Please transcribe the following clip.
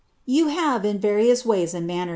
" You hnve, in various ways nnd manucr?.